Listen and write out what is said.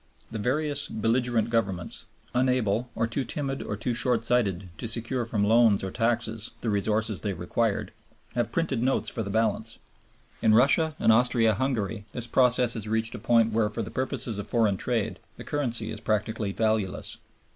The various belligerent Governments, unable, or too timid or too short sighted to secure from loans or taxes the resources they required, have printed notes for the balance. In Russia and Austria Hungary this process has reached a point where for the purposes of foreign trade the currency is practically valueless.